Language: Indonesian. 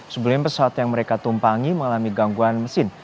sebelumnya pesawat yang mereka tumpangi mengalami gangguan mesin